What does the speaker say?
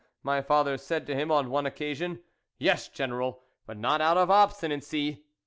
" my father said to him on one occasion. "Yes, General, but not out of ob stinacy."